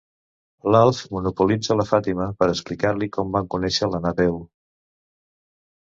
L'Alf monopolitza la Fàtima per explicar-li com van conèixer la Napeu.